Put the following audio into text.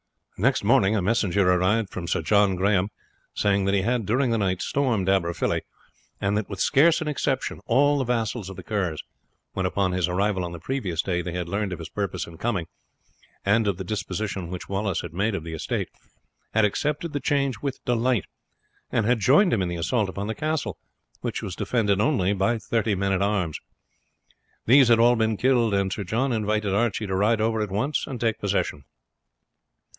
Next morning a messenger arrived from Sir John Grahame, saying that he had, during the night, stormed Aberfilly, and that with scarce an exception all the vassals of the Kerrs when upon his arrival on the previous day they had learned of his purpose in coming, and of the disposition which Wallace had made of the estate had accepted the change with delight, and had joined him in the assault upon the castle, which was defended only by thirty men at arms. These had all been killed, and Sir John invited Archie to ride over at once and take possession.